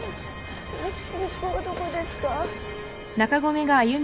息子はどこですか？